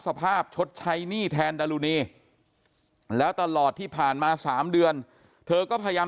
สภาพชดใช้หนี้แทนดรุณีแล้วตลอดที่ผ่านมา๓เดือนเธอก็พยายาม